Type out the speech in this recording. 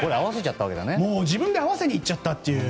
自分で合わせにいっちゃったという。